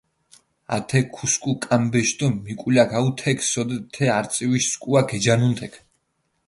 ათექ ქუსქუ კამბეში დო მიკულაქ აჸუ თექ, სოდეთ თე არწივიში სქუა გეჯანუნ თექ.